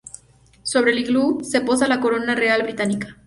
Sobre el iglú se posa la corona real británica.